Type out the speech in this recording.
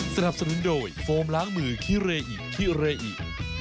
สนับสนุนโดยโฟมล้างมือคิเรอิคิเรอิ